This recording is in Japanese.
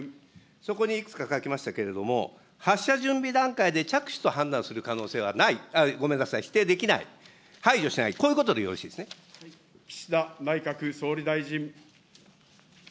そこにいくつか書きましたけれども、発射準備段階で着手と判断する可能性はない、ごめんなさい、否定できない、排除しない、岸田内閣総理大臣。